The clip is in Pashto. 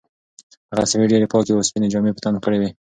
هغه سړي ډېرې پاکې او سپینې جامې په تن کړې وې.